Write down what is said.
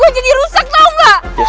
kau mixingan nggak